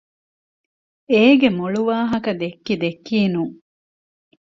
އޭގެ މޮޅު ވާހަކަ ދެއްކި ދެއްކީނުން